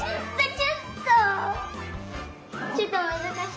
ちょっとむずかしい。